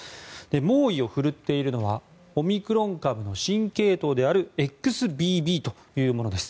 猛威を振るっているのはオミクロン株の新系統であるＸＢＢというものです。